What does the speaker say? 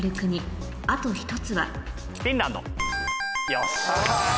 よし。